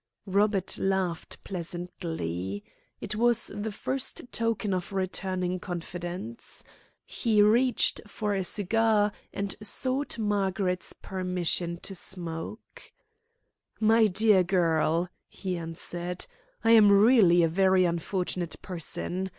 Robert laughed pleasantly. It was the first token of returning confidence. He reached for a cigar, and sought Margaret's permission to smoke. "My dear girl," he answered, "I am really a very unfortunate person.